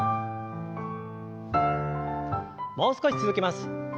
もう少し続けます。